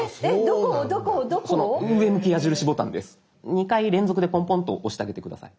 ２回連続でポンポンと押してあげて下さい。